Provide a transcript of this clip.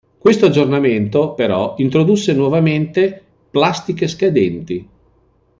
Questo aggiornamento, però, introdusse nuovamente plastiche scadenti.